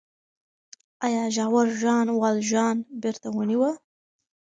آیا ژاور ژان والژان بېرته ونیوه؟